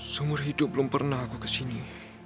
seumur hidup belum pernah aku kesini